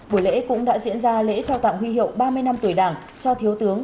buổi lễ cũng đã diễn ra lễ trao tặng huy hiệu ba mươi năm tuổi đảng cho thiếu tướng